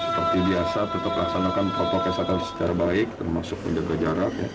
seperti biasa tetap laksanakan protokol kesehatan secara baik termasuk menjaga jarak